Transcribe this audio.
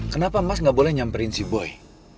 kenapa mas gak boleh nyamperin si boy